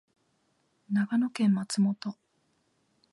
長野県松本